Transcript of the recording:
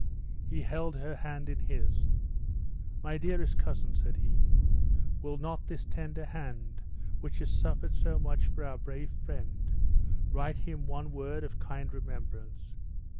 He held her hand in his. "My dearest cousin," said he, "will not this tender hand, which has suffered so much for our brave friend, write him one word of kind remembrance?